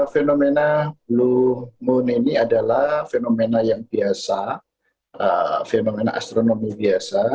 fenomena blue moon ini adalah fenomena yang biasa fenomena astronomi biasa